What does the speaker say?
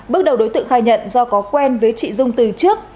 bước đầu đối tượng khai nhận do có quen với chị dung từ trước